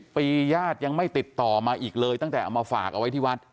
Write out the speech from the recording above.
ปีญาติยังไม่ติดต่อมาอีกเลยตั้งแต่เอามาฝากเอาไว้ที่วัด